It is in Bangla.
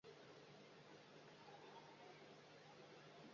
তিনি সুরেন্দ্রকে যুবরাজ বানিয়েছিলেন।